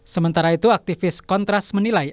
sementara itu aktivis kontras menilai